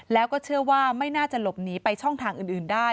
แล้วก็เชื่อว่าไม่น่าจะหลบหนีไปช่องทางอื่นได้